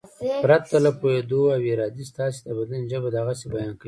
پرته له پوهېدو او ارادې ستاسې د بدن ژبه د غسې بیان کوي.